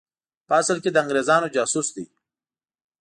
په اصل کې د انګرېزانو جاسوس دی.